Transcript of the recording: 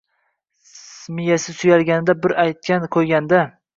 Miyasi suyulganda bir aytgan-qo‘ygan-da.